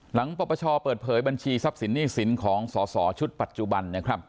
หลังปรปเชาะเปิดเผยบัญชีทรัพย์สินนี่สินของสอสอชุดปัจจุบันเนี่ยครับ